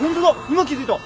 今気付いた。